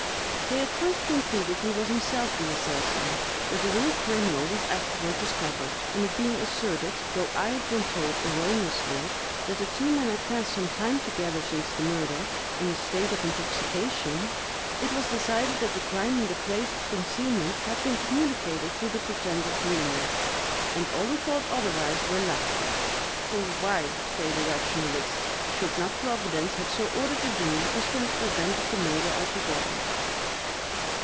They at first concluded he was himself the assassin, but the real criminal was afterward discovered; and it being asserted (though I have been told erroneously) that the two men had passed some time together, since the murder, in a state of intoxication, it was decided that the crime and the place of concealment had been communicated to the pretended dreamer—and all who thought otherwise were laughed at; "for why," say the rationalists, "should not Providence have so ordered the dream as to have prevented the murder altogether?"